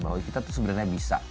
bahwa kita tuh sebenarnya bisa